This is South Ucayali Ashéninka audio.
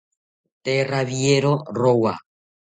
Tee rawiero rowa